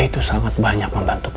dia itu sangat banyak membantu papa